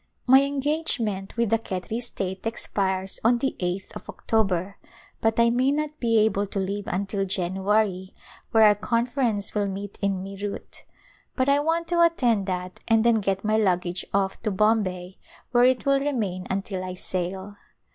My engagement with the Khetri state expires on the 8th of October but I may not be able to leave un til January, when our Conference will meet in Meerutj I want to attend that and then get my luggage off to Bombay where it will remain until I sail.